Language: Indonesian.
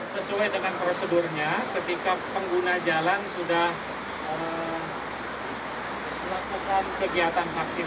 sesuai dengan prosedurnya ketika pengguna jalan sudah melakukan kegiatan vaksin